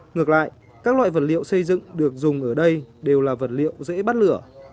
ngược lại các loại vật liệu xây dựng được dùng ở đây đều là vật liệu dễ bắt lửa